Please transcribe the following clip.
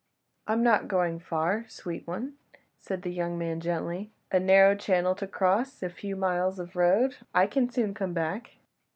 "I am not going far, sweet one," said the young man gently, "a narrow channel to cross—a few miles of road—I can soon come back."